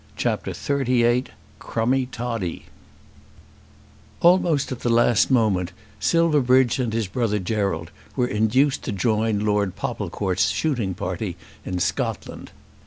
CHAPTER XXXVIII Crummie Toddie Almost at the last moment Silverbridge and his brother Gerald were induced to join Lord Popplecourt's shooting party in Scotland.